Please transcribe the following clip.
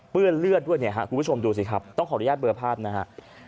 เลือดเลือดด้วยเนี่ยครับคุณผู้ชมดูสิครับต้องขออนุญาตเบอร์ภาพนะฮะ